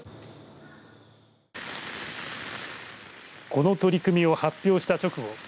この取り組みを発表した直後